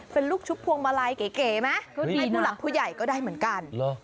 เป็นลูกชุบพวงมาลัยเก๋ไหมมีผู้หลักผู้ใหญ่ก็ได้เหมือนกัน